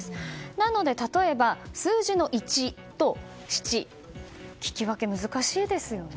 なので例えば、数字の「１」と「しち」、聞き分けが難しいですよね。